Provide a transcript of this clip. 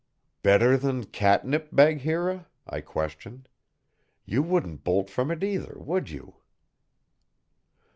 "Better than catnip, Bagheera?" I questioned. "You wouldn't bolt from it, either, would you?"